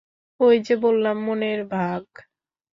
ঐ যে বললাম মনের বাঘ।